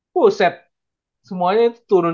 buset semuanya itu turun